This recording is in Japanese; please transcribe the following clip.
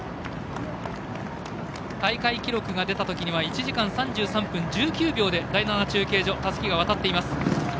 大会記録が出たときには１時間３３分１９秒で第７中継所たすきが渡っています。